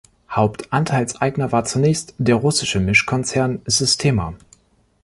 Hauptanteilseigner war zunächst der russische Mischkonzern Sistema.